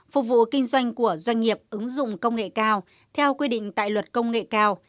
phục vụ kinh doanh của doanh nghiệp ứng dụng công nghệ cao theo quy định tại luật công nghệ cao